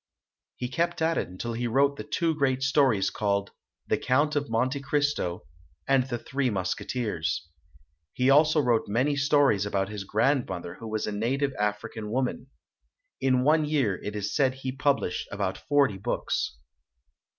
He kept at it until he wrote the two great stories called "The Count of Monte Cristo" and "The Three Musketeers". He also wrote many stories about his grandmother, who was a native African woman. In one year, it is said he pub lished about forty books.